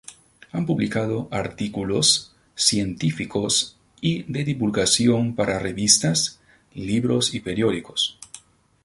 Ha publicado artículos científicos y de divulgación para revistas, libros y periódicos.